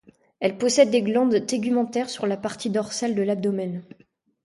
Elle possède des glandes tégumentaires sur la partie dorsale de l'abdomen.